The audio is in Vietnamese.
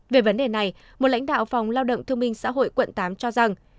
về vấn đề này một lãnh đạo phòng lao động thương minh xã hội quận tám cho rằng